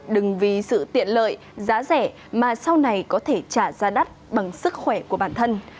đừng vì sự tiện lợi giá rẻ mà sau này có thể trả ra đắt bằng sức khỏe của bản thân